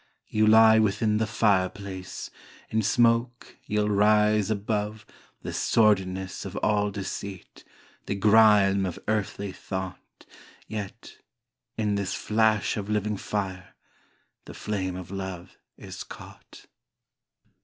You lie within the fireplace, In smoke you'll rise above The sordidness of all deceit, The grime of earthly thought, Yet, in this flash of living fire, The flame of love is caught.